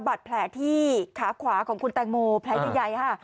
บาดแผลที่ขาขวาของคุณแตงโมแผลใหญ่ค่ะ